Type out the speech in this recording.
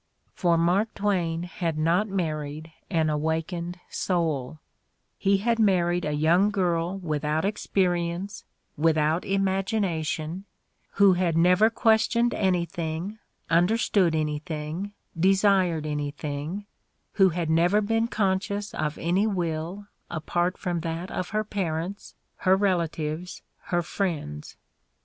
For Mark Twain had The Candidate for Gentility 109 not married an awakened soul; he had married a young girl without experience, without imagination, who had never questioned anything, understood any thing, desired anything, who had never been conscious of any will apart from that of her parents, her rela tives, her friends.